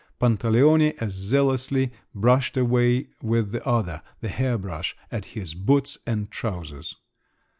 Pantaleone as zealously brushed away with the other—the hair brush—at his boots and trousers.